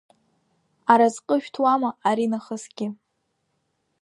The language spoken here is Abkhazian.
Аразҟы шәҭуама аринахысгьы?